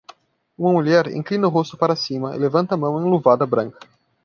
Uma mulher inclina o rosto para cima e levanta a mão enluvada branca